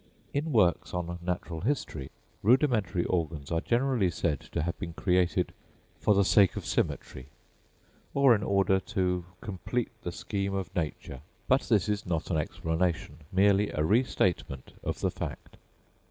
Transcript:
In works on natural history, rudimentary organs are generally said to have been created "for the sake of symmetry," or in order "to complete the scheme of nature." But this is not an explanation, merely a restatement of the fact.